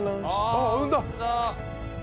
ああ産んだ！